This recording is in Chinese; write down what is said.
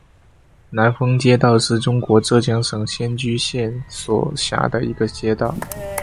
南峰街道是中国浙江省仙居县所辖的一个街道。